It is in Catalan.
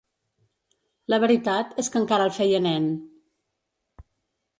La veritat és que encara el feia nen.